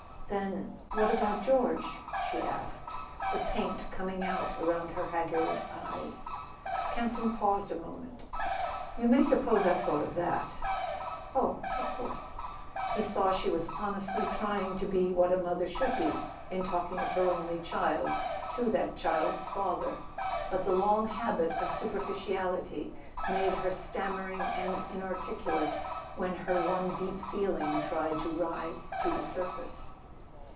"Then—what about George?" she asked, the paint coming out about her haggard eyes. Campton paused a moment. "You may suppose I've thought of that ." A SON AT THE FRONT "Oh, of course. .." He saw she was honestly trying to be what a mother should be in talking of her only child to that child's father. But the long habit of super¬ ficiality made her stammering and inarticulate when her one deep feeling tried to rise to the surface.